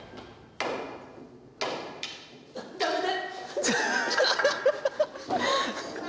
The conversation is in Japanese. やめて！